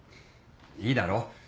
いいだろ？